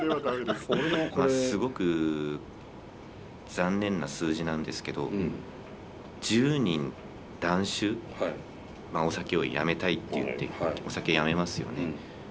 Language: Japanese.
すごく残念な数字なんですけど１０人断酒まあお酒をやめたいって言ってお酒やめますよね。